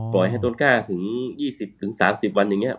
ให้ต้นกล้าถึง๒๐๓๐วันอย่างนี้